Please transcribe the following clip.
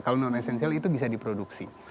kalau non esensial itu bisa diproduksi